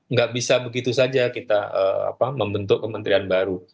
nggak bisa begitu saja kita membentuk kementerian baru